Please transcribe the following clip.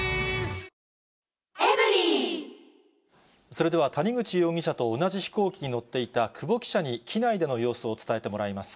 それでは、谷口容疑者と同じ飛行機に乗っていた久保記者に、機内での様子を伝えてもらいます。